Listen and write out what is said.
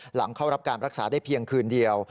หลังเข้ารับการรักษาได้เพียงคืนเดียว